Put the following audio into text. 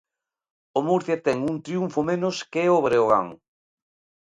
O Murcia ten un triunfo menos que o Breogán.